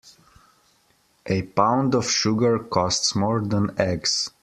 A pound of sugar costs more than eggs.